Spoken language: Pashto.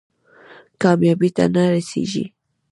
کامیابۍ ته نه رسېږي.